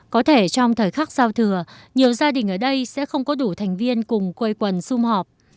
có thể trong thời khắc giao thừa nhiều gia đình ở đây sẽ không có đủ thành viên cùng quây quần xung họp